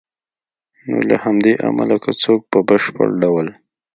نو له همدې امله که څوک په بشپړ ډول